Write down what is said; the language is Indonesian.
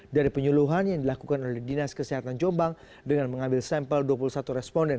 dari penyuluhan yang dilakukan oleh dinas kesehatan jombang dengan mengambil sampel dua puluh satu responden